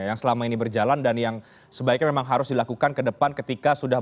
yang selama ini berjalan dan yang sebaiknya memang harus dilakukan ke depan ketika sudah